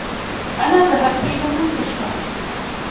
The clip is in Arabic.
أنا ذهبت إلى المستشفى.